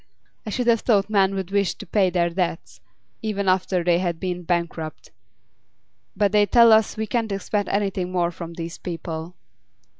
I should have thought men would wish to pay their debts, even after they had been bankrupt; but they tell us we can't expect anything more from these people.